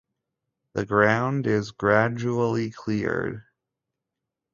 The ground is gradually cleared